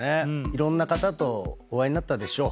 いろんな方とお会いになったでしょ。